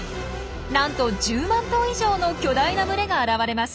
なんと１０万頭以上の巨大な群れが現れます。